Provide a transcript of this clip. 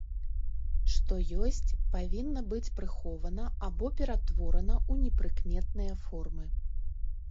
Што ёсць, павінна быць прыхована або ператворана ў непрыкметныя формы.